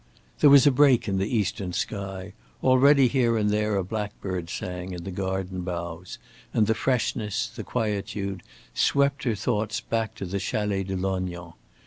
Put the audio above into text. There was a break in the eastern sky; already here and there a blackbird sang in the garden boughs, and the freshness, the quietude, swept her thoughts back to the Chalet de Lognan.